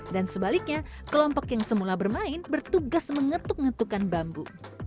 dan sebaliknya kelompok yang semula bermain bertugas mengetuk ngetukan bambu